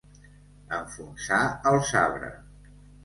Enfonsar el sabre.